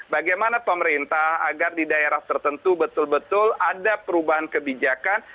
bagaimana pemerintah agar di daerah tertentu betul betul ada perubahan kebijakan